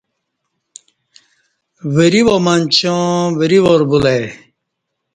وری وا منچا وری وار بولہ ا ی